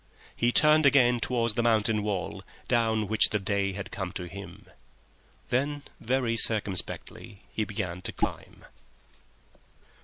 He turned again towards the mountain wall down which the day had come to him. Then very circumspectly he began his climb.